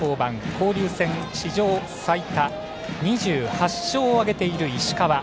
交流戦史上最多２８勝を挙げている石川。